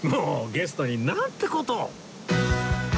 ゲストになんて事を